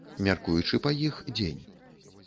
Мяркуючы па іх, дзень.